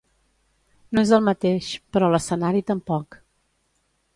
No és el mateix, però l'escenari tampoc.